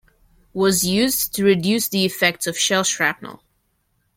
Was used to reduce the effects of Shell Shrapnel.